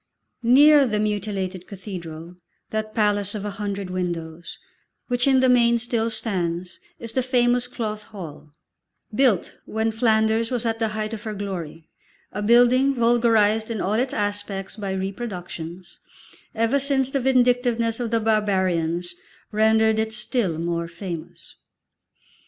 Near the mutilated cathedral, that palace of a hundred windows, which in the main still stands, is the famous Cloth Hall, built when Flanders was at the height of her glory, a building vulgarised in all its aspects by reproductions, ever since the vindictiveness of the barbarians rendered it still more famous.